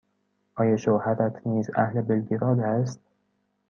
آیا شوهرت نیز اهل بلگراد است؟